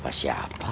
bukan ada siapa siapa